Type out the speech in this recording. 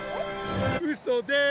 うそです！